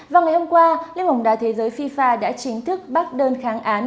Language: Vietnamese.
vào ngày hôm qua liên hồng đà thế giới fifa đã chính thức bác đơn kháng án